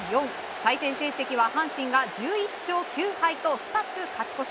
対戦成績は阪神が１１勝９敗と２つ勝ち越し。